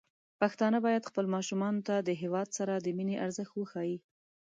پښتانه بايد خپل ماشومان ته د هيواد سره د مينې ارزښت وښيي.